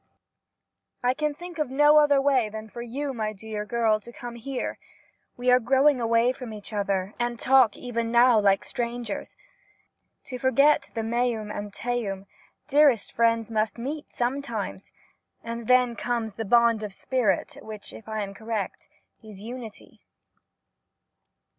I can think of no other way than for you, my dear 1851] TO MRS STRONG 53 girl, to come here — we are growing away from each other, and talk even now like strangers. To forget the ^meum and teum,' dearest friends must meet sometimes, and then comes the ' bond of the spirit ' which, if I am correct, is 'unity.'